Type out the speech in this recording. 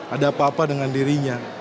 ada apa apa dengan dirinya